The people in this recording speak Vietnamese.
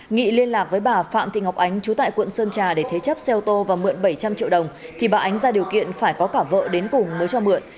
nghị liên lạc với bà phạm thị ngọc ánh chú tại quận sơn trà để thế chấp xe ô tô và mượn bảy trăm linh triệu đồng thì bà ánh ra điều kiện phải có cả vợ đến cùng mới cho mượn